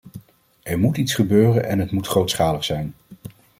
Er moet iets gebeuren en het moet grootschalig zijn.